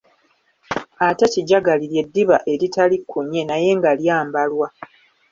Ate kijagali ly’eddiba eritali kkunye naye nga lyambalwa.